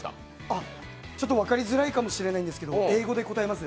あ、ちょっと分かりづらいかもしれないですけど英語で答えます。